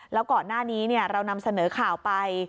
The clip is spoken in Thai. แล้วก่อนหน้านี้เรานำเสนอข่าวไป